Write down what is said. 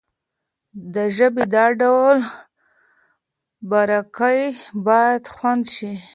د ژبې دا ډول باريکۍ بايد خوندي شي.